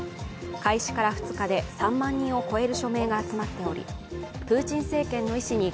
開始から２日で３万人を超える署名が集まっておりプーチン政権の意思に